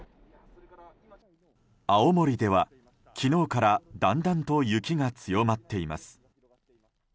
青森では、昨日からだんだんと雪が強まっています。